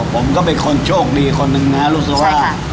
ผมก็เป็นคนโชคดีคนหนึ่งนะฮะรู้สึกว่า